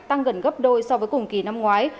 tăng gần gấp đôi so với cùng kỳ năm ngoái